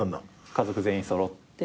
家族全員揃って。